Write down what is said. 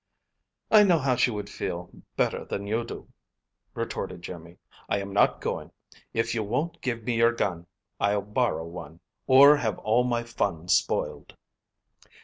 "I know how she would feel better than you do," retorted Jimmy. "I am not going. If you won't give me your gun, I'll borrow one; or have all my fun spoiled."